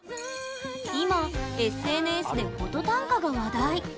今ＳＮＳでフォト短歌が話題！